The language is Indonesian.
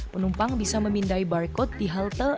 penumpang bisa memindai barcode di halte